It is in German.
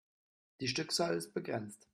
Die Stückzahl ist begrenzt.